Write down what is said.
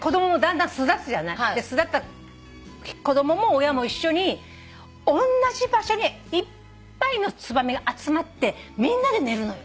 巣立った子供も親も一緒におんなじ場所にいっぱいのツバメが集まってみんなで寝るのよ。